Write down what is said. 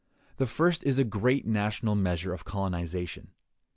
The first is a great national measure of colonization.